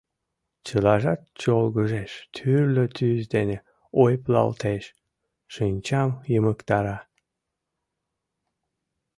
Чылажат чолгыжеш, тӱрлӧ тӱс дене ойыплалтеш, шинчам йымыктара...